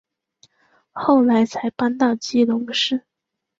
后来才搬到基隆市。